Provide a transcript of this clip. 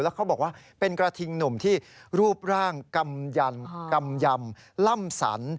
เขาบอกว่าเป็นกระทิงหนุ่มที่รูปร่างกำยันกำยำล่ำสัน